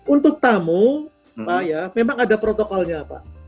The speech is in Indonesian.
untuk tamu pak ya memang ada protokolnya pak